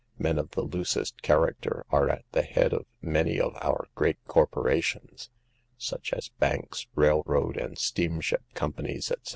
Men of the loosest character are at the head of inany of our great corporations, such as banks, railroad and steamship companies, etc.